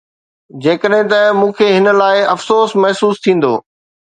جيڪڏهن نه، مون کي هن لاء افسوس محسوس ٿيندو